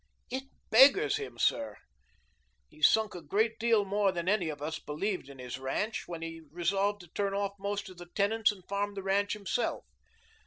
"It beggars him, sir. He sunk a great deal more than any of us believed in his ranch, when he resolved to turn off most of the tenants and farm the ranch himself.